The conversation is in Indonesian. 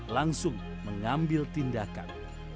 langsung mengambil tindakan